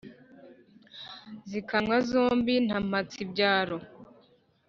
Zikamwa zombi na Mpatsibyaro.